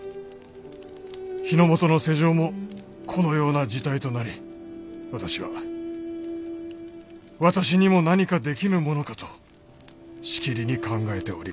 日の本の世情もこのような事態となり私は私にも何かできぬものかとしきりに考えております。